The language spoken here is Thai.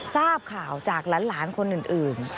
ทราบข่าวจากหลานคนอื่น